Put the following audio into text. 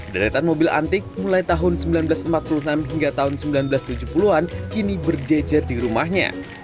deretan mobil antik mulai tahun seribu sembilan ratus empat puluh enam hingga tahun seribu sembilan ratus tujuh puluh an kini berjejer di rumahnya